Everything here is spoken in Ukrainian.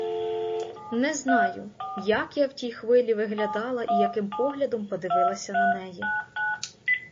Не знаю, як я в тій хвилі виглядала і яким поглядом подивилася на неї.